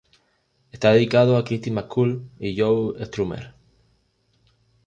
Está dedicado a Kirsty MacColl y Joe Strummer.